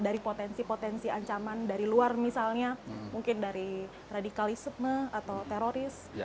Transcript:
dari potensi potensi ancaman dari luar misalnya mungkin dari radikalisme atau teroris